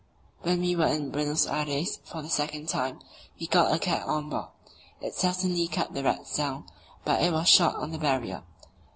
When we were in Buenos Aires for the second time we got a cat on board; it certainly kept the rats down, but it was shot on the Barrier.